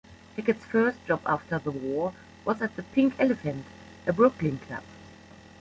Hackett's first job after the war was at the Pink Elephant, a Brooklyn club.